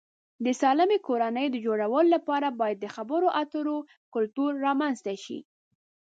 د سالمې کورنۍ د جوړولو لپاره باید د خبرو اترو کلتور رامنځته شي.